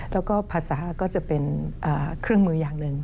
แล้วก็ภาษาก็จะเป็นเครื่องมืออย่างหนึ่ง